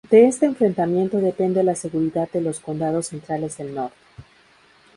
De este enfrentamiento depende la seguridad de los condados centrales del Norte.